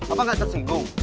apa enggak tersinggung